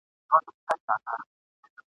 ویدو خلکو پرتو خلکو! !.